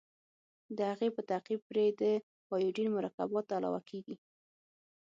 د هغې په تعقیب پرې د ایوډین مرکبات علاوه کیږي.